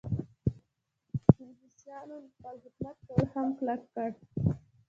انګلیسانو خپل حکومت نور هم کلک کړ.